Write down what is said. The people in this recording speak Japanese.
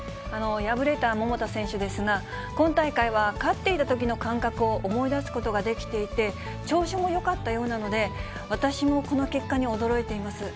敗れた桃田選手ですが、今大会は勝っていたときの感覚を思い出すことができていて、調子もよかったようなので、私もこの結果に驚いています。